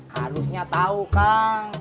harusnya tau kang